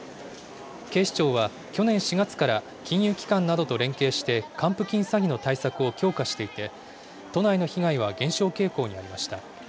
警視庁は、去年４月から金融機関などと連携して、還付金詐欺の対策を強化していて、都内の被害は減少傾向にありました。